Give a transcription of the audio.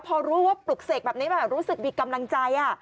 พอรู้ว่าปลุกเสกแบบนี้รู้สึกมีกำลังใจ